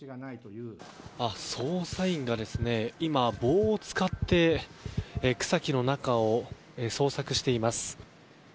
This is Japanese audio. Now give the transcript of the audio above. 捜査員が今、棒を使って草木の中を捜索しています。